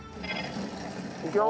いくよ。